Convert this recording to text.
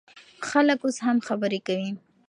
خلک اوس هم خبرې کوي.